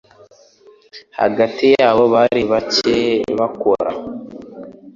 Hagati yabo bari bicaye bakora